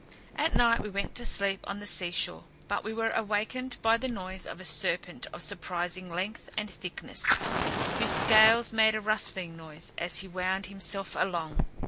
At night we went to sleep on the sea shore but were awakened by the noise of a serpent of surprising length and thickness, whose scales made a rustling noise as he wound himself along.